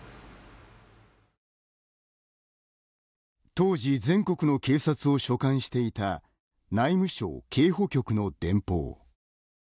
当時、全国の警察を所管していた内務省警保局の電報。